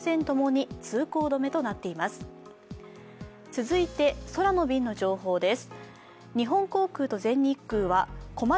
続いて空の便の情報です。